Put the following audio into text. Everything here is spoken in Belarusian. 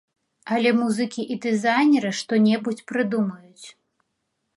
Але музыкі і дызайнеры што-небудзь прыдумаюць.